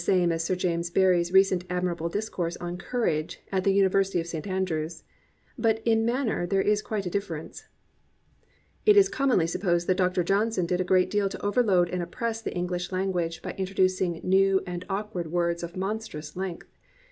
In meaning this is very much the same as Sir James Barrie's recent admirable discourse on "Courage" at the University of St. Andrew's; but in manner there is quite a difference. It is commonly supposed that Dr. Johnson did a great deal to overload and oppress the English lan guage by introducing new and awkward words of monstrous length.